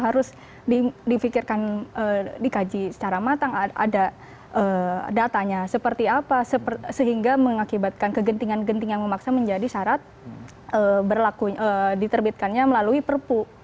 harus dikaji secara matang ada datanya seperti apa sehingga mengakibatkan kegentingan genting yang memaksa menjadi syarat diterbitkannya melalui perpu